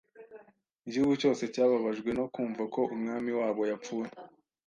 Igihugu cyose cyababajwe no kumva ko umwami wabo yapfuye.